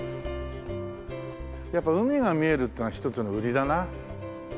やっぱ海が見えるってのは一つの売りだな。